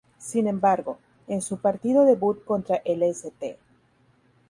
Sin embargo, en su partido debut contra el St.